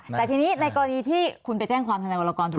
อ่าแต่ทีนี้ในกรณีที่คุณไปแจ้งความทนายวรรกรถูกหรือเปล่า